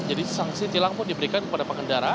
jadi sanksi tilang pun diberikan kepada pengendara